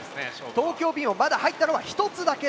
東京Ｂもまだ入ったのは１つだけです。